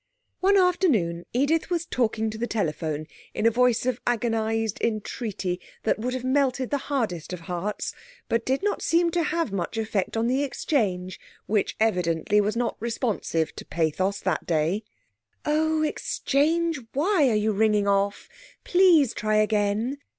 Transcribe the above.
One afternoon Edith was talking to the telephone in a voice of agonised entreaty that would have melted the hardest of hearts, but did not seem to have much effect on the Exchange, which, evidently, was not responsive to pathos that day. 'Oh! Exchange, why are you ringing off? Please try again....